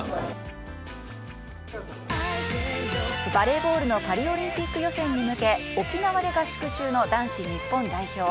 バレーボールのパリオリンピック予選に向け沖縄で合宿中の男子日本代表。